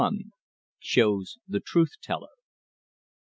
SHOWS THE TRUTH TELLER.